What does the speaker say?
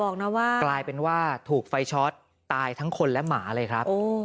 กลายเป็นว่าถูกไฟชอตตายทั้งคนและหมาเลยครับ